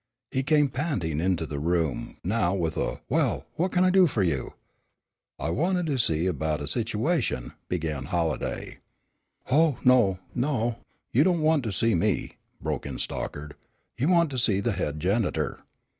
He came panting into the room now with a "Well, what can I do for you?" "I wanted to see you about a situation" began Halliday. "Oh, no, no, you don't want to see me," broke in Stockard, "you want to see the head janitor."